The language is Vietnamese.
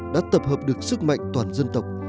đã tập hợp được sức mạnh toàn dân tộc